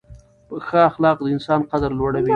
ښه اخلاق د انسان قدر لوړوي.